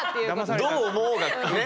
どう思おうがね